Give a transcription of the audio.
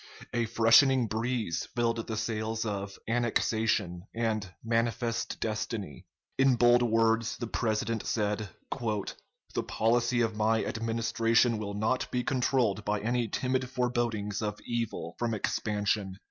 A freshening breeze filled the sails of "annexation" and "manifest destiny." In bold words the President said: "The policy of my Administration will not be controlled by any timid forebodings of evil from expansion.